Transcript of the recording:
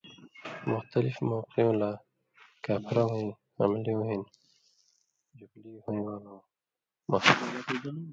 مختلف موقِیُؤں لا کاپھرہ وَیں حملِیُوں ہن ژُبلی ہویں والَؤں مہ